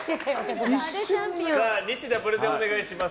ニシダ、プレゼンお願いします。